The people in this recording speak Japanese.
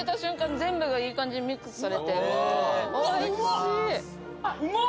全部がいい感じにミックスされてうわっうまっ！